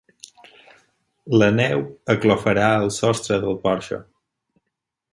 La neu aclofarà el sostre del porxo.